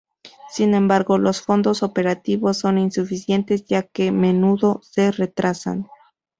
Sin embargo, los fondos operativos son insuficientes ya que menudo se retrasan.